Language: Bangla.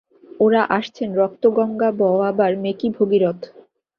ওরা আসছেন রক্তগঙ্গা বওয়াবার মেকি ভগীরথ।